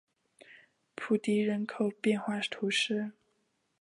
普迪人口变化图示